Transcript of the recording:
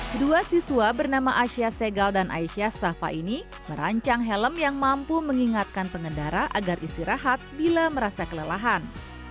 kedua siswa bernama asia segal dan aisyah safa ini merancang helm yang mampu mengingatkan pengendara agar istirahat bila merasa kelelahan